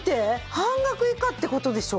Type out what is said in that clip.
半額以下って事でしょ？